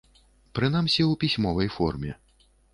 Прынамсі, у пісьмовай форме.